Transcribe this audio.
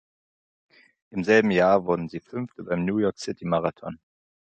Im selben Jahr wurde sie Fünfte beim New-York-City-Marathon.